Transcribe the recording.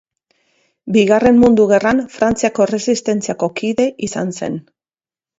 Bigarren Mundu Gerran Frantziako Erresistentziako kide izan zen.